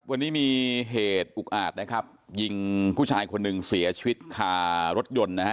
วันนี้มีเหตุอุกอาจนะครับยิงผู้ชายคนหนึ่งเสียชีวิตคารถยนต์นะฮะ